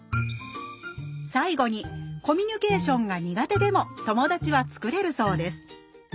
最後にコミュニケーションが苦手でも友達は作れるそうです